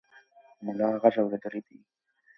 ملا غږ اورېدلی دی.